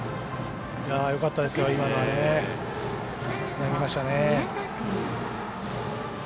よかったですよ、今のはねつなぎましたね。